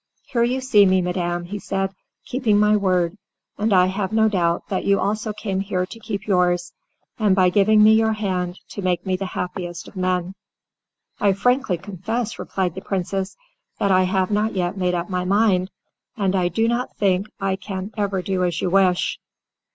"Here you see me, madam," said he, "keeping my word, and I have no doubt that you also came here to keep yours, and by giving me your hand to make me the happiest of men." "I frankly confess," replied the Princess, "that I have not yet made up my mind, and I do not think I can ever do as you wish."